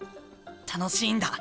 楽しいんだ。